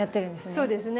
そうですね。